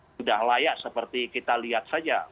sudah layak seperti kita lihat saja